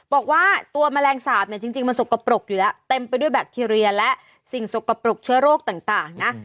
บอกว่าตัวแมลงสาปเนี่ยจริงมันสกปรกอยู่แล้วเต็มไปด้วยแบคทีเรียและสิ่งสกปรกเชื้อโรคต่างนะ